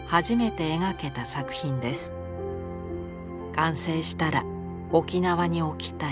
完成したら沖縄に置きたい。